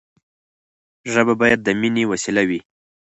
ژبه باید د ميني وسیله وي.